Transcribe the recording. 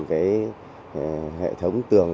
cái hệ thống tường